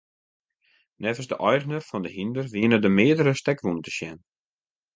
Neffens de eigener fan it hynder wiene der meardere stekwûnen te sjen.